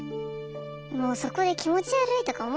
もうそこで気持ち悪いとか思っちゃったらさ。